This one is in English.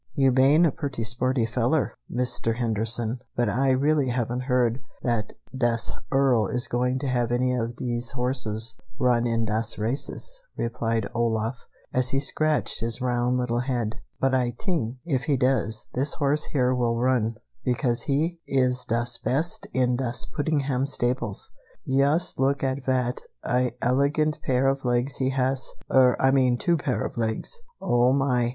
"You bane a pretty sporty feller, Mister Henderson, but Ay really haven't heard that das Earl is going to have any of dese horses run in das races," replied Olaf, as he scratched his round little head; "but Ay tink if he does, this horse here will run, because he is das best in das Puddingham stables. Yust look at vat a elegant pair of legs he has, er, I mean two pair of legs! Oh, my!